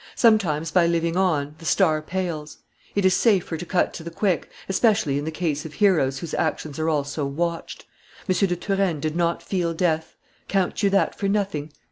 Sometimes, by living on, the star pales. It is safer to cut to the quick, especially in the case of heroes whose actions are all so watched. M. de Turenne did not feel death: count you that for nothing?"